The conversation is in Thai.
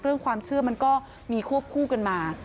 เรื่องความเชื่อมันก็มีควบคู่กันมา